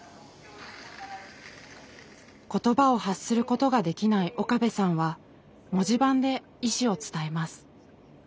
言葉を発することができない岡部さんは文字盤で意思を伝えます。